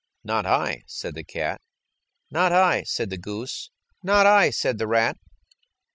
"Not I," said the cat. "Not I," said the goose. "Not I," said the rat.